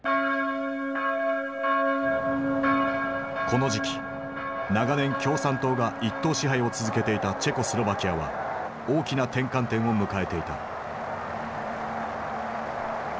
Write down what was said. この時期長年共産党が一党支配を続けていたチェコスロバキアは大きな転換点を迎えていた。